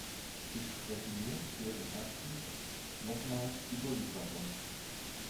Ich spreche nur schweren Herzens nochmals über Lissabon.